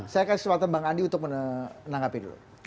saya kasih kesempatan bang andi untuk menanggapi dulu